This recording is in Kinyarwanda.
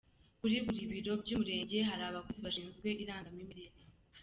Kuri buri biro by’umurenge hari abakozi bashinzwe irangamimerere.